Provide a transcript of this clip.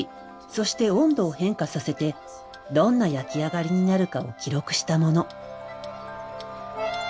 そして温度を変化させてどんな焼き上がりになるかを記録したもの。